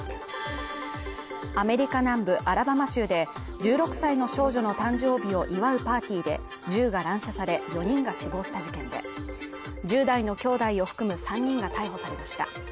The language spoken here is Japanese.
アメリカ南部アラバマ州で１６歳の少女の誕生日を祝うパーティーで銃が乱射され、４人が死亡した事件で、１０代の兄弟を含む３人が逮捕されました。